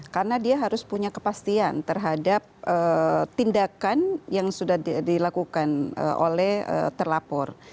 karena dia harus punya kepastian terhadap tindakan yang sudah dilakukan oleh terlapor